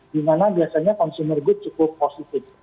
dimana biasanya consumer good cukup positif